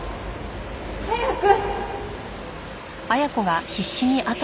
早く！